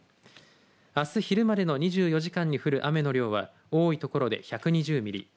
あす昼までの２４時間に降る雨の量は多いところで１２０ミリ。